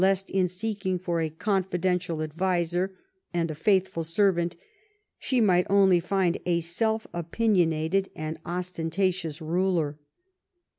« 821 THE REIGN OF QUEEN ANNE in seeking for a confidential adviser and a faithful servant she might only find a self opinionated and os tentatious ruler.